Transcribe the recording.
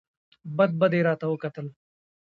بد بد یې راته وکتل !